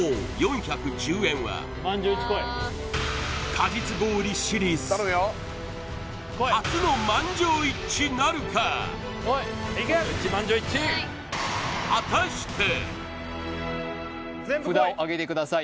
果実氷シリーズ初の満場一致なるか札をあげてください